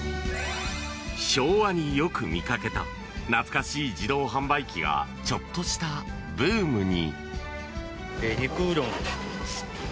昭和によく見かけた懐かしい自動販売機がちょっとしたブームに。